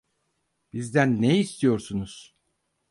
Bizden ne istiyorsunuz?